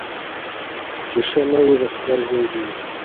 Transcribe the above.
چي ښه نه وي د خره زوی دی